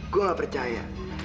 gue gak percaya